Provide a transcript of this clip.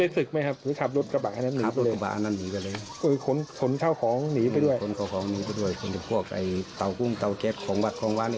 ติดหนีไปขึ้นนั่นเลยอันที่ทั้ง